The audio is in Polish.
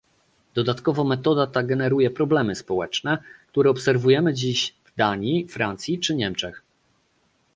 Dodatkowo metoda ta generuje problemy społeczne, które obserwujemy dziś w Danii, Francji czy Niemczech